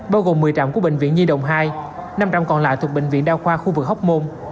bao gồm một mươi trạm của bệnh viện nhi đồng hai năm trạm còn lại thuộc bệnh viện đa khoa khu vực hóc môn